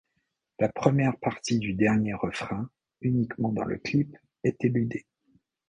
La première partie du dernier refrain, uniquement dans le clip, est éludée.